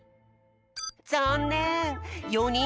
ざんねん！